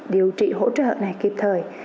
điều trị hỗ trợ này kịp thời